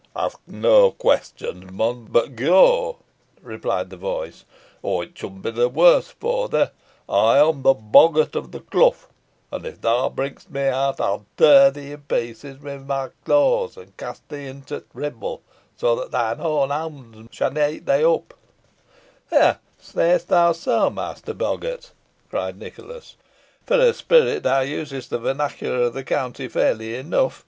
"Ask neaw questions, mon, boh ge," replied the voice, "or it shan be warse fo' thee. Ey am the boggart o' th' clough, an' if theaw bringst me out, ey'n tear thee i' pieces wi' my claws, an' cast thee into t' Ribble, so that thine own hounts shan eat thee up." "Ha! say'st thou so, master boggart," cried Nicholas. "For a spirit, thou usest the vernacular of the county fairly enough.